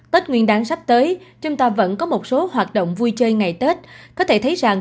tết nguyên đáng sắp tới chúng ta vẫn có một số hoạt động vui chơi ngày tết có thể thấy rằng